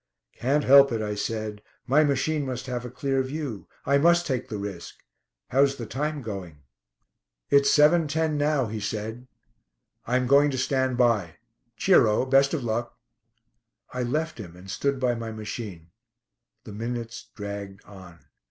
'" "Can't help it," I said; "my machine must have a clear view. I must take the risk. How's the time going?" "It's 'seven ten' now," he said. "I am going to stand by. Cheero; best of luck!" I left him, and stood by my machine. The minutes dragged on.